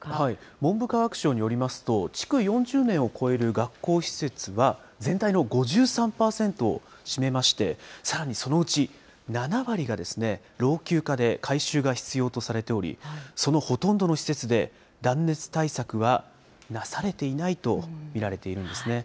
文部科学省によりますと、築４０年を超える学校施設は全体の５３％を占めまして、さらにそのうち７割が老朽化で改修が必要とされており、そのほとんどの施設で、断熱対策はなされていないと見られているんですね。